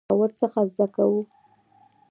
او ورڅخه زده کوو.